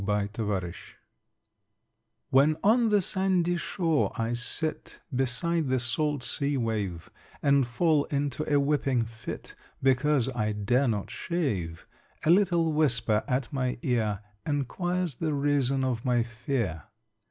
When on the sandy shore I sit, Beside the salt sea wave, And fall into a weeping fit Because I dare not shave A little whisper at my ear Enquires the reason of my fear.